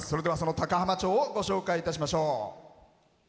高浜町をご紹介いたしましょう。